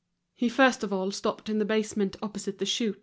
He first of all stopped in the basement opposite the shoot.